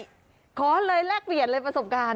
ขอเลยแลกเปลี่ยนเลยประสบการณ์